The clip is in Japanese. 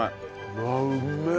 うわっうめえ！